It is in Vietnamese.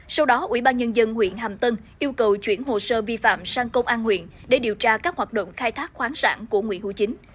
sau đó ủy ban nhân dân huyện hàm tân yêu cầu chuyển hồ sơ vi phạm sang công an huyện để điều tra các hoạt động khai thác khoáng sản của nguyễn hữu chính